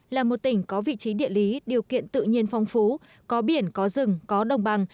là một tỉnh có vị trí địa lý điều kiện tự nhiên phong phú có biển có rừng có đồng bằng